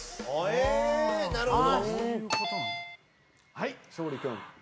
はい勝利君。